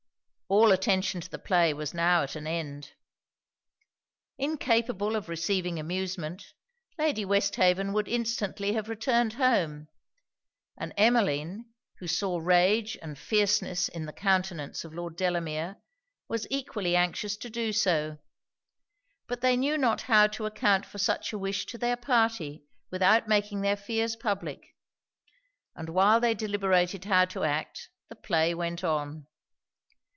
All attention to the play was now at an end. Incapable of receiving amusement, Lady Westhaven would instantly have returned home; and Emmeline, who saw rage and fierceness in the countenance of Lord Delamere, was equally anxious to do so: but they knew not how to account for such a wish to their party without making their fears public; and while they deliberated how to act, the play went on.